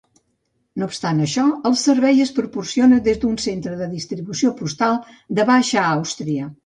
No obstant això, el servei es proporciona des d'un centre de distribució postal de Baixa Àustria.